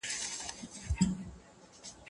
د کانونو سمه څېړنه د استخراج لپاره اړینه ده.